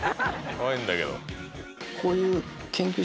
「こわいんだけど」